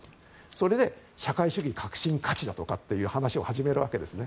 それで、社会主義革新価値だという話を始めるわけですね。